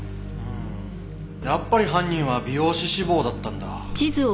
やっぱり犯人は美容師志望だったんだ。